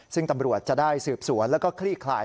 ซึ่งตำรวจจะได้สืบสวนแล้วก็คลี่คลาย